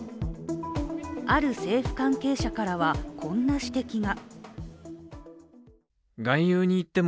ある政府関係者からは、こんな指摘が。